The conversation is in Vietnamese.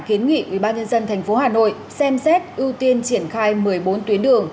kiến nghị ubnd thành phố hà nội xem xét ưu tiên triển khai một mươi bốn tuyến đường